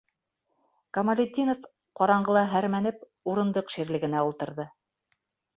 - Камалетдинов, ҡараңғыла һәрмәнеп, урындыҡ ширлегенә ултырҙы.